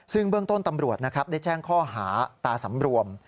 ซึ่งเบื้องต้นตำรวจนะครับได้แจ้งข้อหาตาสำรวม